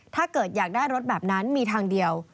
ถ้าเกิดอยากได้รถแบบนั้นมีทางเดียว